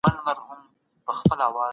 باران د سېلابونو د راوتلو سبب کیږي.